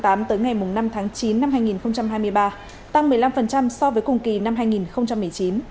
tới ngày năm tháng chín năm hai nghìn hai mươi ba tăng một mươi năm so với cùng kỳ năm hai nghìn một mươi chín